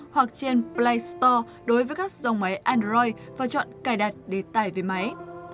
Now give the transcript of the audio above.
hoặc trên play store đối với các dòng máy android và chọn cài đặt để tải về máy